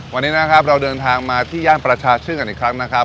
วันนี้นะครับเราเดินทางมาที่ย่านประชาชื่นกันอีกครั้งนะครับ